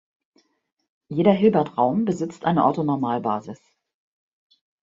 Jeder Hilbertraum besitzt eine Orthonormalbasis.